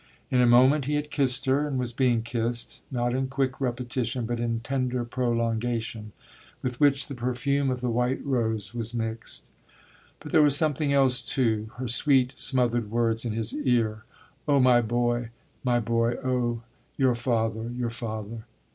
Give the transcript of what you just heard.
In a moment he had kissed her and was being kissed, not in quick repetition, but in tender prolongation, with which the perfume of the white rose was mixed. But there was something else too her sweet smothered words in his ear: "Oh my boy, my boy oh your father, your father!"